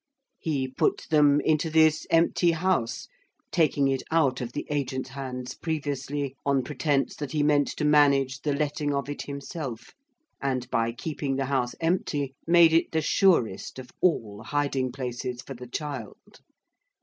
He put them into this empty house (taking it out of the agent's hands previously, on pretence that he meant to manage the letting of it himself); and by keeping the house empty, made it the surest of all hiding places for the child.